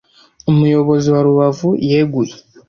Umuyobozi wa rubavu yeguye